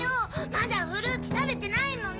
まだフルーツたべてないのに！